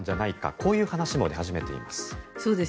こういう話も出始めています。